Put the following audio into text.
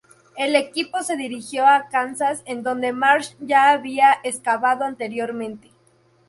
El equipó se dirigió a Kansas en donde Marsh ya había excavado anteriormente.